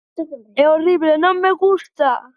É horrible, non me gusta.